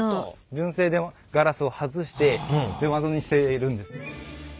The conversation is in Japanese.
純正のガラスを外して出窓にしてるんです。